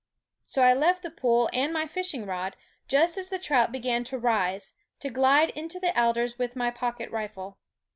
So I left the pool and my fishing rod, just as the trout began to rise, to glide into the alders with my pocket rifle.